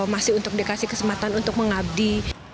masih untuk dikasih kesempatan untuk mengabdi